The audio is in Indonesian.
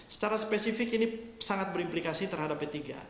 secara spesifik ini sangat berimplikasi terhadap p tiga